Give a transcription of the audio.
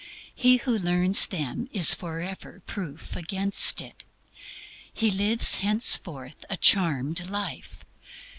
He who learns them is forever proof against it. He lives henceforth a charmed life.